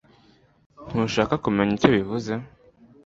Ntushaka kumenya icyo bivuze